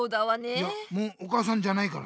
いやもうお母さんじゃないから。